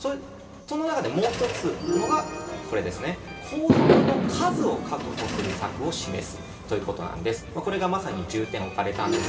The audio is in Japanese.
もう１つが皇族の数を確保する策を示すということなんです。